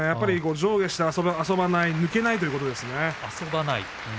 上下して遊ばない抜けないということですね。